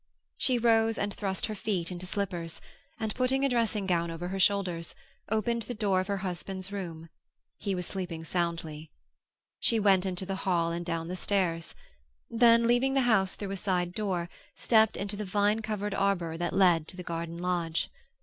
She rose and thrust her feet into slippers and, putting a dressing gown over her shoulders, opened the door of her husband's room; he was sleeping soundly. She went into the hall and down the stairs; then, leaving the house through a side door, stepped into the vine covered arbor that led to the garden lodge.